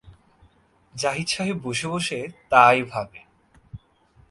জাহিদ সাহেব বসেবসে তাই ভাবেন।